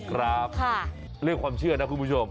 ครับเรื่องความเชื่อนะคุณผู้ชม